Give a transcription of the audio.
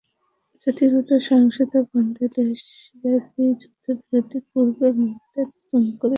জাতিগত সহিংসতা বন্ধে দেশব্যাপী যুদ্ধবিরতির পূর্ব মুহূর্তে নতুন করে সংঘর্ষের সূত্রপাত হয়।